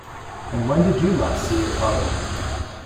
And When Did You Last See Your Father?